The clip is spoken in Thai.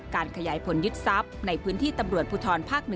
ขยายผลยึดทรัพย์ในพื้นที่ตำรวจภูทรภาค๑